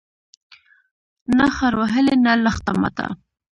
نه خر وهلی، نه لښته ماته